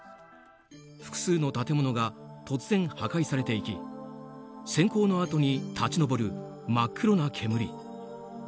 複数の建物が突然破壊されていき閃光のあとに立ち上る真っ黒な煙。